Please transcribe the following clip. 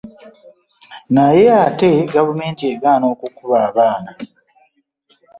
Naye ate gavumenti egaana okukuba abaana.